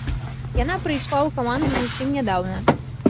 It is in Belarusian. Яна прыйшла ў каманду зусім нядаўна.